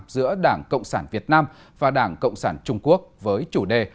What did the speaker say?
giữa đảng cộng sản việt nam và đảng cộng sản trung quốc với chủ đề